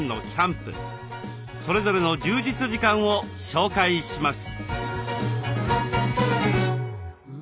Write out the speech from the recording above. それぞれの充実時間を紹介します。